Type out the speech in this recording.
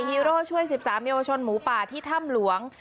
ฮีโร่ช่วย๑๓เยาวชนหมูป่าที่ถ้ำหลวง